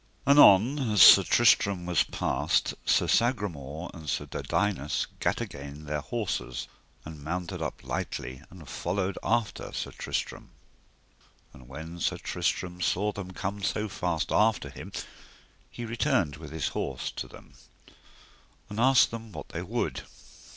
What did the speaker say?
Anon as Sir Tristram was passed, Sir Sagramore and Sir Dodinas gat again their horses, and mounted up lightly and followed after Sir Tristram. And when Sir Tristram saw them come so fast after him he returned with his horse to them, and asked them what they would.